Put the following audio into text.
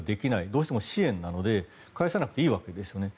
どうしても支援なので返さなくていいわけですよね。